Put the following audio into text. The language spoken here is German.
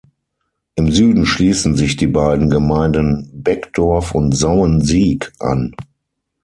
Im Süden schließen sich die beiden Gemeinden Beckdorf und Sauensiek an.